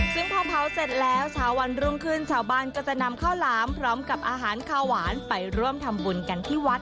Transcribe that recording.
ซึ่งพอเผาเสร็จแล้วเช้าวันรุ่งขึ้นชาวบ้านก็จะนำข้าวหลามพร้อมกับอาหารข้าวหวานไปร่วมทำบุญกันที่วัด